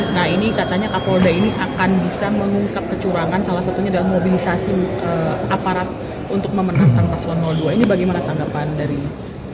nah ini katanya kapolda ini akan bisa mengungkap kecurangan salah satunya adalah mobilisasi aparat untuk memenangkan paslon dua ini bagaimana tanggapan dari ini